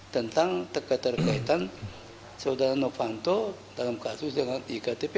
tentang terkaitan saudara novanto dalam kasus dengan iktp